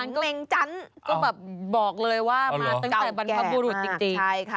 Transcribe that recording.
เกรงจันทร์ก็แบบบอกเลยว่ามาตั้งแต่บรรพบุรุษจริง